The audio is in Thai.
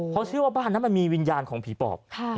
เขาเชื่อว่าบ้านนั้นมันมีวิญญาณของผีปอบ